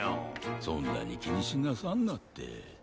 そんなにきにしなさんなって。